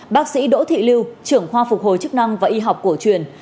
bác sĩ đỗ thị lưu trưởng khoa phục hồi chức năng và y học cổ truyền